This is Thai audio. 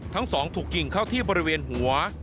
ทั้งสองถูกยิงเข้าที่บริเวณหัว